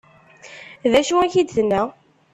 D acu i k-d-tenna?